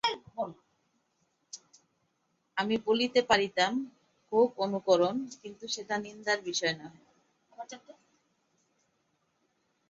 আমি বলিতে পারিতাম, হউক অনুকরণ, কিন্তু সেটা নিন্দার বিষয় নহে!